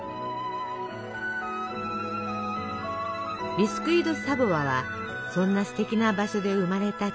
ビスキュイ・ド・サヴォワはそんなすてきな場所で生まれた地方菓子。